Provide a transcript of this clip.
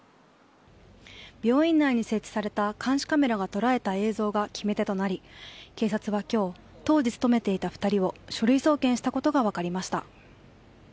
病院内に設置された監視カメラが捉えた映像が決め手となり警察は今日当時、勤めていた２人を書類送検したことが分かりました。